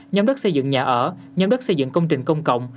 nhóm đất xây dựng nhà ở nhóm đất xây dựng công trình công cộng